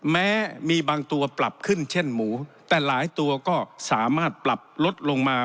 แม้มีบางตัวปรับขึ้นเช่นหมูแต่หลายตัวก็สามารถปรับลดลงมา